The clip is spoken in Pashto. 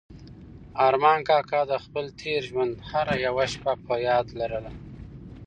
ارمان کاکا د خپل تېر ژوند هره یوه شېبه په یاد لرله.